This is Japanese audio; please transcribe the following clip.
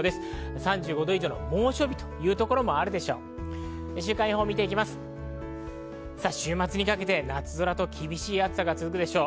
３５度以上の猛暑日のところもあるでしょう。